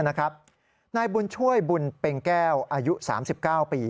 นายบุญช่วยบุญเป็งแก้วอายุ๓๙ปี